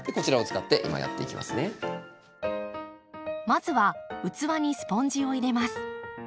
まずは器にスポンジを入れます。